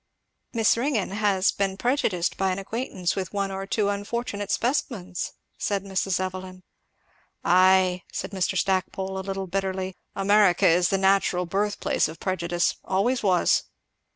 "Miss Ringgan has been prejudiced by an acquaintance with one or two unfortunate specimens," said Mrs. Evelyn. "Ay!" said Mr. Stackpole a little bitterly, "America is the natural birthplace of prejudice, always was."